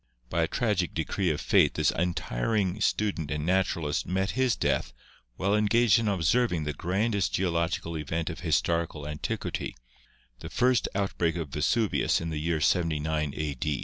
By a tragic decree of fate this untiring student and naturalist met his death while engaged in observing the grandest geological event of historic antiquity — the first outbreak of Vesuvius in the year 79 a.